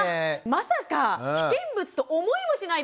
まさか危険物と思いもしないですよ。